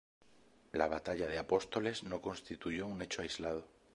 La batalla de Apóstoles no constituyó un hecho aislado.